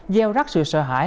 gieo rắc sự sợ hãi